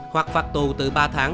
hoặc phạt tù